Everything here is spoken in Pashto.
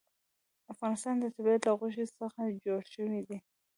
د افغانستان طبیعت له غوښې څخه جوړ شوی دی.